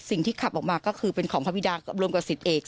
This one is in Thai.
สิ่งที่ขับออกมาก็คือเป็นของพระวิดารวมกับสิทธิ์เอก